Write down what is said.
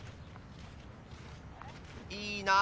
いいなあ！